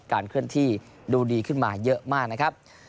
เคลื่อนที่ดูดีขึ้นมาเยอะมากนะครับ